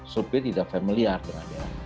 supir tidak familiar dengan dia